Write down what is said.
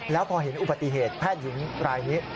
แล้วพอเห็นอุบัติเหตุแพทย์หญิงรายนี้